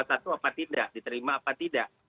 satu apa tidak diterima apa tidak